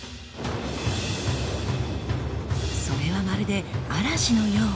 それはまるで嵐のよう。